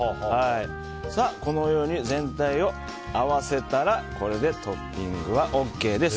このように全体を合わせたらこれでトッピングはＯＫです。